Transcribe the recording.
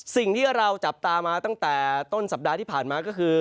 สิ่งที่เราจับตามาตั้งแต่ต้นสัปดาห์ที่ผ่านมาก็คือ